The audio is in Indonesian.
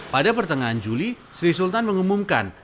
pada pertengahan juli sri sultan mengumumkan